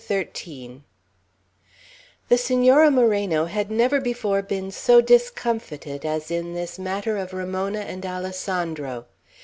XIII THE Senora Moreno had never before been so discomfited as in this matter of Ramona and Alessandro.